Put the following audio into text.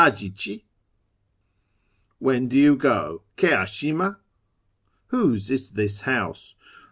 — Aji chi ?— When do you go ? KS ashima ? Whose is this house